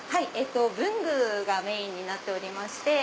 文具がメインになっておりまして。